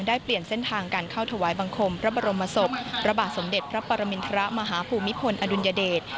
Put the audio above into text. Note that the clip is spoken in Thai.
ได้เปลี่ยนเส้นทางการเข้าถวายบังคมพระบรมศพพระบาทสมเด็จพระปรมินทรมาฮภูมิพลอดุลยเดช